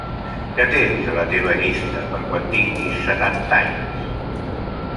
Què tens a la teva llista per quan tinguis setanta anys?